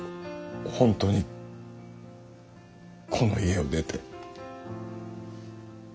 本当にこの家を出て。